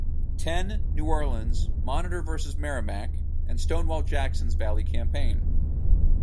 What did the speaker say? Ten, New Orleans, "Monitor" versus "Merrimac", and Stonewall Jackson's Valley Campaign.